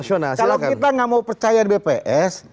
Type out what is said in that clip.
kalau kita nggak mau percaya bps